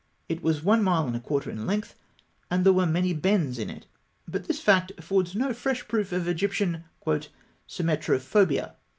It was one mile and a quarter in length, and there were many bends in it; but this fact affords no fresh proof of Egyptian "symmetrophobia."